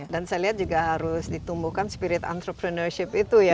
dan saya lihat juga harus ditumbuhkan spirit entrepreneurship itu ya